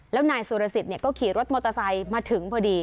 แล้วนายสุรสิทธิ์ก็ขี่รถมอเตอร์ไซค์มาถึงพอดี